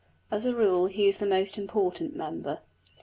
As a rule he is the most important member.